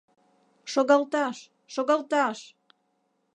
— Шогалташ, шогалташ!